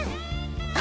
あ！